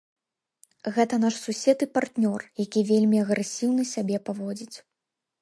Гэта наш сусед і партнёр, які вельмі агрэсіўна сябе паводзіць.